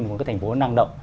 một cái thành phố năng động